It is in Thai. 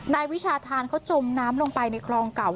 วิชาธานเขาจมน้ำลงไปในคลองเก่า